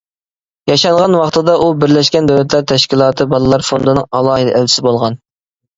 ياشانغان ۋاقتىدا ئۇ بىرلەشكەن دۆلەتلەر تەشكىلاتى بالىلار فوندىنىڭ ئالاھىدە ئەلچىسى بولغان.